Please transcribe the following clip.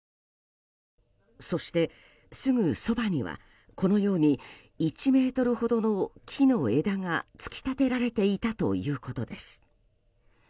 そして、すぐそばにはこのように１ｍほどの木の枝が突き立てられていたということです。